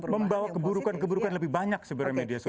membawa keburukan keburukan lebih banyak sebenarnya media sosial